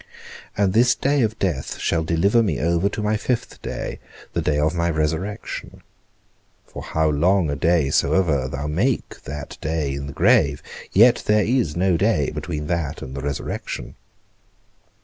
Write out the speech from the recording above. And this day of death shall deliver me over to my fifth day, the day of my resurrection; for how long a day soever thou make that day in the grave, yet there is no day between that and the resurrection.